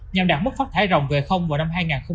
nhằm đạt mất phát thải rồng về không vào năm hai nghìn năm mươi